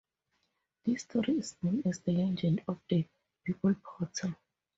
This story is known as the legend of The People Potter.